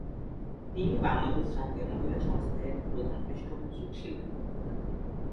তিনি 'বাংলাদেশ জাতীয় মহিলা সংস্থা' এর প্রধান পৃষ্ঠপোষক ছিলেন।